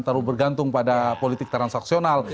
terlalu bergantung pada politik transaksional